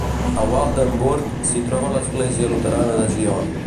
A Waldenburg s'hi troba l'església luterana de Zion.